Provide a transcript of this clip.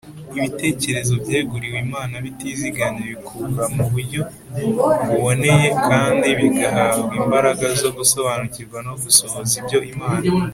ibitekerezo byeguriwe imana bitizigamye bikura mu buryo buboneye, kandi bigahabwa imbaraga zo gusobanukirwa no gusohoza ibyo imana ishaka